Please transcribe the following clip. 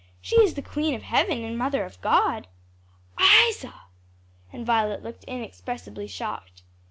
She is the queen of Heaven and mother of God." "Isa!" and Violet looked inexpressibly shocked.